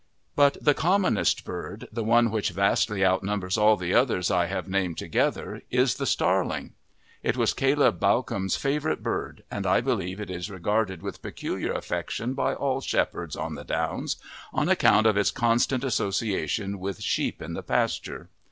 But the commonest bird, the one which vastly outnumbers all the others I have named together, is the starling. It was Caleb Bawcombe's favourite bird, and I believe it is regarded with peculiar affection by all shepherds on the downs on account of its constant association with sheep in the pasture.